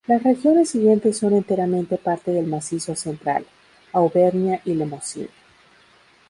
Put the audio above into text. Las regiones siguientes son enteramente parte del Macizo Central: Auvernia y Lemosín.